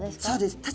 そうです。